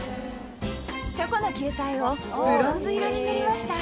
チョコの球体をブロンズ色に塗りました。